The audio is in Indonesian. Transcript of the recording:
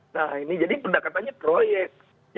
nah ini jadi pendekatannya proyek